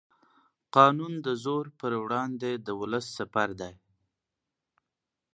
قانون د زور پر وړاندې د ولس سپر دی